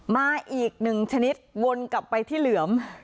มาอีกหนึ่งชนิดวนกลับไปที่เหลือม